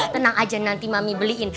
tenang aja nanti mami beliin